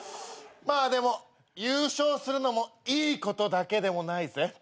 まあでも優勝するのもいいことだけでもないぜ。